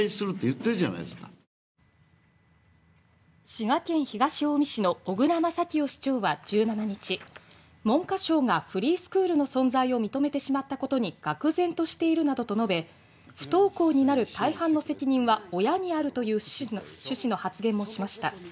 滋賀県東近江市の小椋正清市長は１７日文科省がフリースクールの存在を認めてしまったことにがくぜんとしているなどと述べ不登校になる大半の責任は親にあるという趣旨の発言もしました。